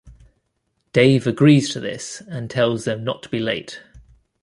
Dave agrees to this, and tells them not to be late.